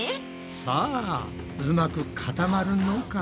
さあうまく固まるのか？